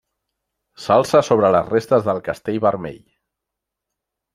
S'alça sobre les restes del Castell Vermell.